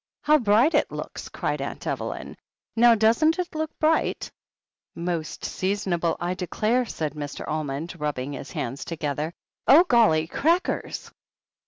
^ "How bright it looks !" cried Aunt Evelyn. "Now, doesn't it look bright?" "Most seasonable, I declare/' said Mr. Almond, rub bing his hands together. "Oh, golly ! crackers